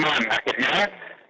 mentara ke rumah pagi